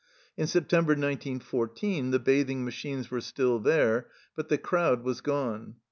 In September, 1914, the bathing machines were still there, but the crowd was gone.